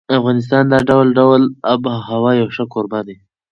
افغانستان د ډول ډول آب وهوا یو ښه کوربه دی.